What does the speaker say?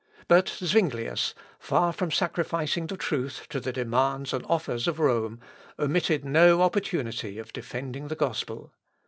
But Zuinglius, far from sacrificing the truth to the demands and offers of Rome, omitted no opportunity of defending the gospel.